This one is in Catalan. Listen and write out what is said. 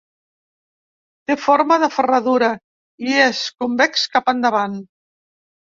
Té forma de ferradura, i és convex cap endavant.